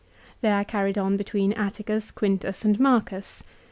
They are carried on between Atticus, Quintus, and Marcus.